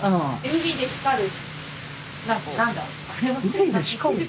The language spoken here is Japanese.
海で光る？